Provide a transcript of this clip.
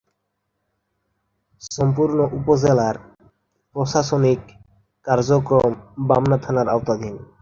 সম্পূর্ণ উপজেলার প্রশাসনিক কার্যক্রম বামনা থানার আওতাধীন।